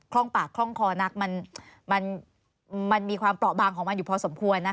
ร่องปากคล่องคอนักมันมีความเปราะบางของมันอยู่พอสมควรนะคะ